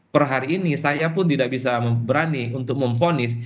per hari ini saya pun tidak bisa berani untuk memfonis